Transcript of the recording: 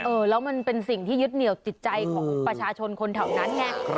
เออแล้วมันเป็นสิ่งที่ยึดเหนียวจิตใจของประชาชนคนแถวนั้นไง